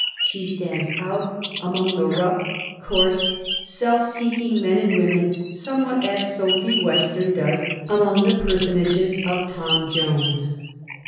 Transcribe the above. She stands out among the rough, coarse, self seeking men and women somewhat as Sophy Western does among the personages of " Tom Jones."